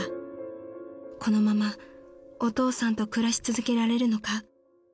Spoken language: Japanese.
［このままお父さんと暮らし続けられるのか］